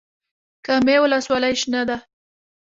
کامې ولسوالۍ شنه ده؟